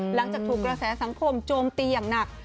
หลังจากถูกกระแสสังคมโจมตีอย่างหนัก